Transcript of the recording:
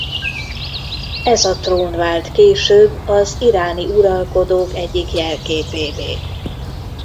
Ez a trón vált később az iráni uralkodók egyik jelképévé.